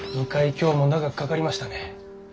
今日も長くかかりましたね。